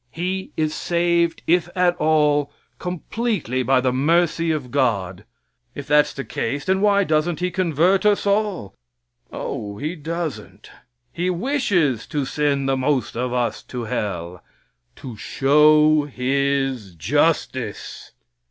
He is saved, if at all, completely by the mercy of God. If that's the case, then why doesn't He convert us all? Oh, He doesn't. He wishes to send the most of us to hell to show His justice.